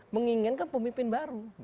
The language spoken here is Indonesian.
menginginkan pemimpin baru